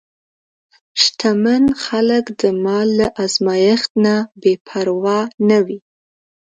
شتمن خلک د مال له ازمېښت نه بېپروا نه وي.